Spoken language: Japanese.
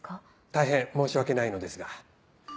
大変申し訳ないのですが。